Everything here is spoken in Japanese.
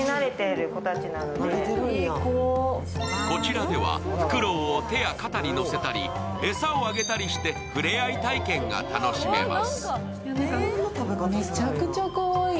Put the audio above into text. こちらではフクロウを手や肩に乗せたり餌をあげたりしてふれあい体験が楽しめます。